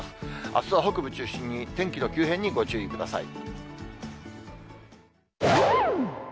あすは北部中心に天気の急変にご注意ください。